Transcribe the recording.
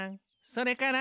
「それから」